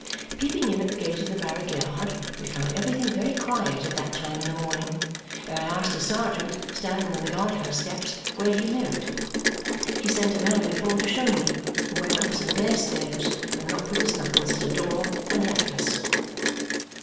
Peeping in at the gate of the barrack yard, we found everything very quiet at that time in the morning, and I asked a sergeant standing on the guardhouse steps where he lived. He sent a man before to show me, who went up some bare stairs, and knocked with his knuckles at a door, and left us.